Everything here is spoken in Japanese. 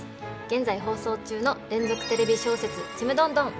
現在放送中の連続テレビ小説「ちむどんどん」。